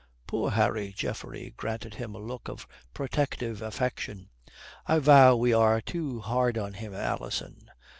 "Poor Harry!" Geoffrey granted him a look of protective affection. "I vow we are too hard on him, Alison."